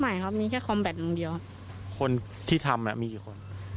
ใหม่ครับมีแค่คอมแบตมุมเดียวคนที่ทำอ่ะมีกี่คน